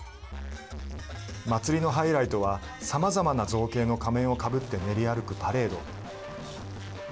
祭りのハイライトはさまざまな造形の仮面をかぶって練り歩くパレード。